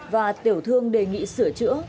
và tiểu thương đề nghị sửa chữa